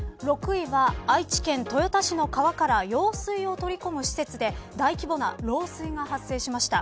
６位は愛知県豊田市の川から用水を取り込む施設で大規模な漏水が発生しました。